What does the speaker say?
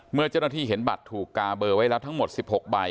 เมื่อเจ้าหน้าที่เห็นบัตรถูกกาเบอร์ไว้แล้วทั้งหมด๑๖ใบ